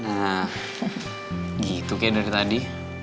nah gitu kayak dari tadi